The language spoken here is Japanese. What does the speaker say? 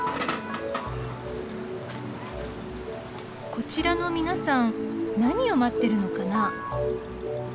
こちらの皆さん何を待ってるのかな？